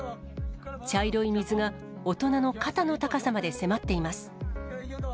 茶色い水が、大人の肩の高さまで迫っています。